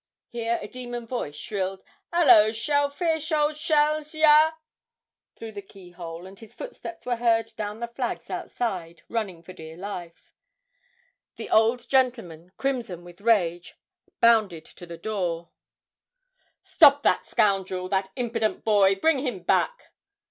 Here a demon voice shrilled, ''Ullo, Shellfish, Old Shells, yah!' through the keyhole, and his footsteps were heard down the flags outside running for dear life. The old gentleman, crimson with rage, bounded to the door: 'Stop that scoundrel, that impident boy, bring him back!'